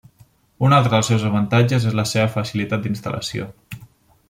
Un altre dels seus avantatges és la seva facilitat d'instal·lació.